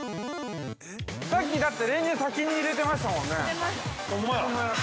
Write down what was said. ◆さっき、だって、練乳を先に入れてましたもんね。